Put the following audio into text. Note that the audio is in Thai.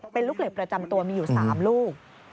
เป็นลูกเหล็กประจำตัวมีอยู่๓ลูก